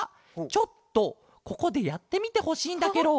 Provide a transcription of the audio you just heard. ちょっとここでやってみてほしいんだケロ。